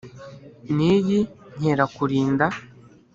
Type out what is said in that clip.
n'iyi nkerakurinda.